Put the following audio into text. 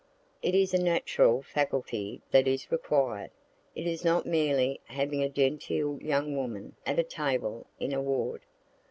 It is a natural faculty that is required; it is not merely having a genteel young woman at a table in a ward.